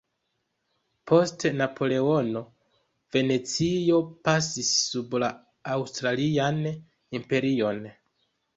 Post Napoleono, Venecio pasis sub la Aŭstrian Imperion.